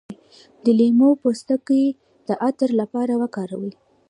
د لیمو پوستکی د عطر لپاره وکاروئ